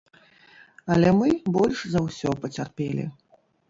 Але мы больш за ўсё пацярпелі.